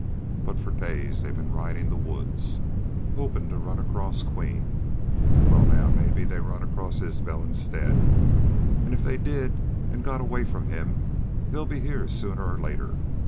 But for days they've been ridin' the woods, hopin' to run across Queen.... Wal now, mebbe they run across Isbel instead. An' if they did an' got away from him they'll be heah sooner or later.